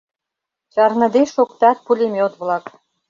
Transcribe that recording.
- чарныде шоктат пулемёт-влак.